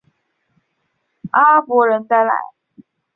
伊斯兰最早出现在菲律宾是波斯湾与马拉巴尔的阿拉伯人带来。